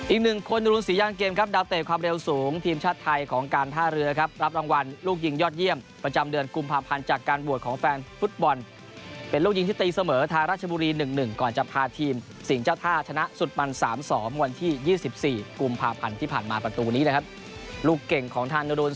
อีกหนึ่งคนดูรุนศรียางเกมครับดาวเตะความเร็วสูงทีมชาติไทยของการท่าเรือครับรับรางวัลลูกยิงยอดเยี่ยมประจำเดือนกุมภาพันธ์จากการบวชของแฟนฟุตบอลเป็นลูกยิงที่ตีเสมอทางราชบุรี๑๑ก่อนจะพาทีมสิ่งเจ้าท่าชนะสุดมัน๓๒วันที่๒๔กุมภาพันธ์ที่ผ่านมาประตูนี้นะครับลูกเก่งของทางดรุน